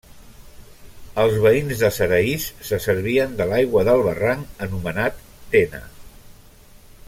Els veïns de Saraís se servien de l'aigua del barranc anomenat Tena.